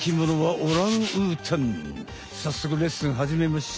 さっそくレッスンはじめましょ！